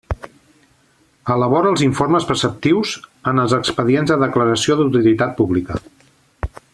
Elabora els informes preceptius en els expedients de declaració d'utilitat pública.